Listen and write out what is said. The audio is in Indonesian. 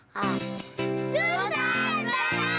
susah selamat bersama